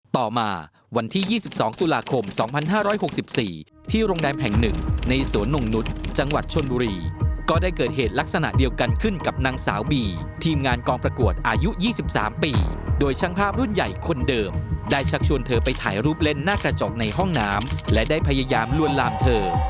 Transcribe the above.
ต่อมาวันที่๒๒ตุลาคม๒๕๖๔ที่โรงแรมแห่งหนึ่งในสวนหนุ่มนุษย์จังหวัดชนบุรีก็ได้เกิดเหตุลักษณะเดียวกันขึ้นกับนางสาวบีทีมงานกองประกวดอายุ๒๓ปีโดยช่างภาพรุ่นใหญ่คนเดิมได้ชักชวนเธอไปถ่ายรูปเล่นหน้ากระจกในห้องน้ำและได้พยายามลวนลามเธอ